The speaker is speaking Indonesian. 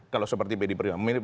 kalau seperti bedi prima